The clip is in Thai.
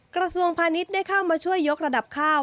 กระทรวงพาณิชย์ได้เข้ามาช่วยยกระดับข้าว